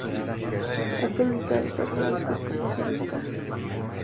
Ha publicado cuatro discos como solista.